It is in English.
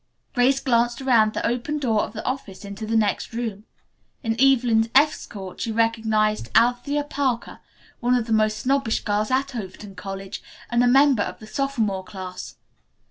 Grace glanced through the open door of the office into the next room. In Evelyn's escort she recognized Althea Parker, one of the most snobbish girls at Overton College, and a member of the sophomore class.